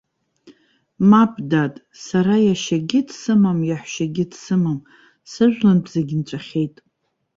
Мап, дад, сара иашьагьы дсымам, иаҳәшьагьы дсымам, сыжәланытә зегь нҵәахьеит.